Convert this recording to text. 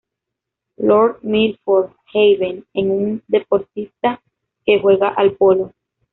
Lord Milford Haven en un deportista que juega al polo.